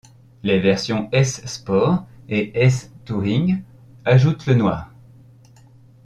Les versions S Sport et S Touring ajoutent le noir.